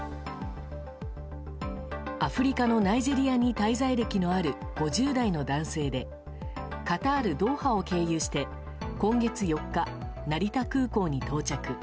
アフリカのナイジェリアに滞在歴のある５０代の男性でカタール・ドーハを経由して今月４日成田空港に到着。